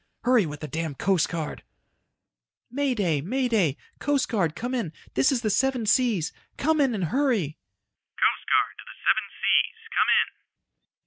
Hurry with the damned Coast Guard!" "May Day! May Day! Coast Guard come in. This is the Seven Seas. Come in and hurry!"